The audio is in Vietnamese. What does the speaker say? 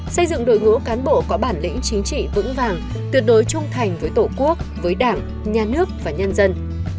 xây dựng đội ngũ cán bộ có bản lĩnh chính trị vững vàng tuyệt đối trung thành với tổ quốc với đảng nhà nước và nhân dân